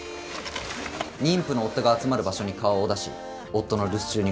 妊婦の夫が集まる場所に顔を出し夫の留守中に強盗を行う。